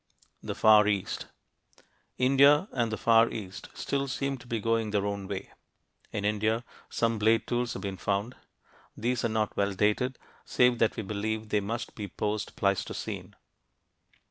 THE FAR EAST India and the Far East still seem to be going their own way. In India, some blade tools have been found. These are not well dated, save that we believe they must be post Pleistocene.